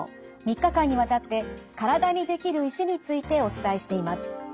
３日間にわたって体にできる石についてお伝えしています。